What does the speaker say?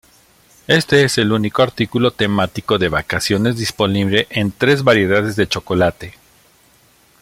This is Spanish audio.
Este es el único artículo temático de vacaciones disponible en tres variedades de chocolate.